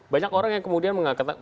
banyak orang yang kemudian